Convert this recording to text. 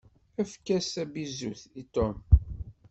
Efk-as tabizut i Tom!